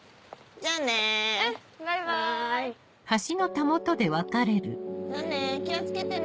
じゃあね気を付けてね。